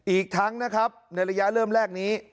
อีกทั้งนะครับในระยะเริ่มแรกนี้